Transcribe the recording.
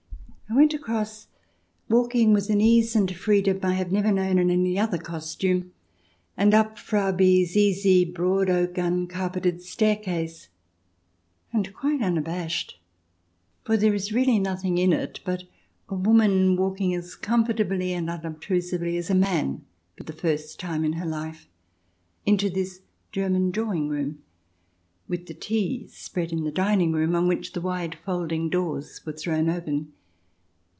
I went across, walking with an ease and freedom I have never known in any other costume, and up Frau B 's easy, broad oak, uncarpeted staircase, and quite unabashed — for there is really nothing in it but a woman walking as comfortably and un obtrusively as a man for the first time in her life — into this German drawing room, with the tea spread in the dining room, on which the wide folding doors were thrown open.